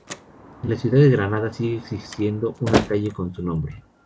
En la ciudad de Granada sigue existiendo una calle con su nombre.